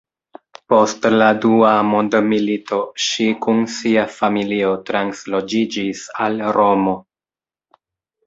Post la dua mondmilito ŝi kun sia familio transloĝiĝis al Romo.